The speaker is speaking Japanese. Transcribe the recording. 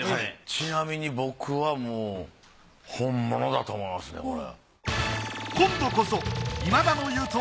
ちなみに僕はもう本物だと思いますねこれ。